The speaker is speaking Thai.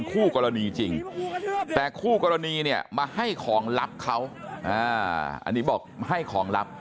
คู่กรณีจริงแต่คู่กรณีเนี่ยมาให้ของลับเขาอันนี้บอกให้ของลับ